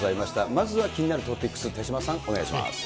まずは気になるトピックス、手嶋さん、お願いします。